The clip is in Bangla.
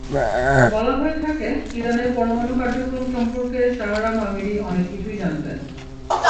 বলা হয়ে থাকে, ইরানের পরমাণু কার্যক্রম সম্পর্কে শাহরাম আমিরি অনেক কিছুই জানতেন।